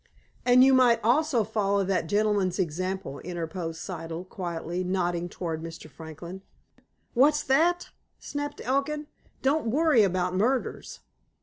"And you might also follow that gentleman's example," interposed Siddle quietly, nodding towards Mr. Franklin. "What's that?" snapped Elkin. "Don't worry about murders."